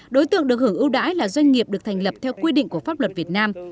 đối tượng được hưởng ưu đãi là doanh nghiệp được thành lập theo quy định của pháp luật việt nam